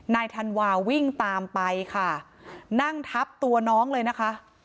ธันวาวิ่งตามไปค่ะนั่งทับตัวน้องเลยนะคะ